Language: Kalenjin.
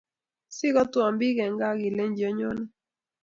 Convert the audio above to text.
Sikatwan pik en kaa akileji anyone